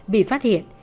bị phát hiện